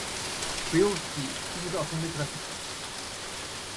笛を吹き、羊と遊んで暮して来た。